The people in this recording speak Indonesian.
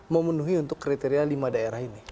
memenuhi untuk kriteria lima daerah ini